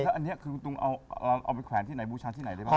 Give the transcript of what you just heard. แล้วอันนี้คือคุณตุงเราเอาไปแขวนที่ไหนบูชาที่ไหนได้บ้าง